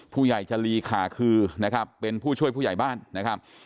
จรีขาคือนะครับเป็นผู้ช่วยผู้ใหญ่บ้านนะครับ